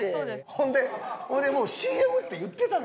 ほんでほんでもう「ＣＭ」って言ってたで？